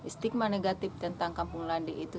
stigma negatif tentang kampung landi itu